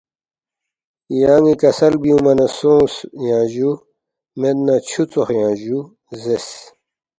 ”یان٘ی کسل بیُونگما نہ سونگس ینگ جُو، مید نہ چُھو ژوخ ینگ جُو“ زیرس